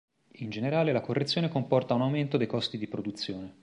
In generale la correzione comporta un aumento dei costi di produzione.